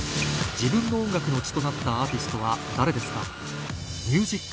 自分の音楽の血となったアーティストは誰ですか？